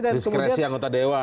diskresi anggota dewan